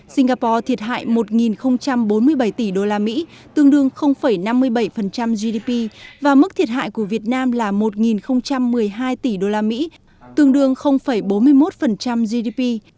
singapore thiệt hại một bốn mươi bảy tỷ usd tương đương năm mươi bảy gdp và mức thiệt hại của việt nam là một một mươi hai tỷ usd tương đương bốn mươi một gdp